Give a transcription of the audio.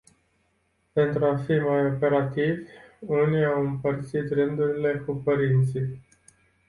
Pentru a fi mai operativi, unii au împărțit rândurile cu părinții.